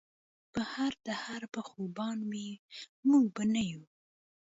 پۀ هر دهر به خوبان وي مونږ به نۀ يو